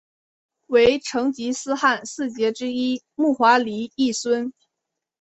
为成吉思汗四杰之一木华黎裔孙。